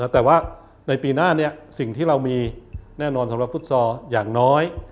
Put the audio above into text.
แต่ว่าในปีหน้าสิ่งที่เรามีแน่นอนสำหรับฟุตซอลอย่างน้อย